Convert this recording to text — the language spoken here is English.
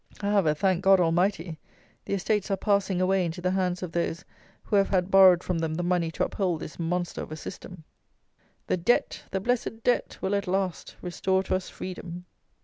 However, thank God Almighty, the estates are passing away into the hands of those who have had borrowed from them the money to uphold this monster of a system. The Debt! The blessed Debt, will, at last, restore to us freedom.